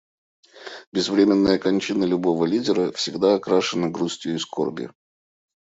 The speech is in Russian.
Безвременная кончина любого лидера всегда окрашена грустью и скорбью.